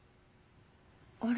あれ？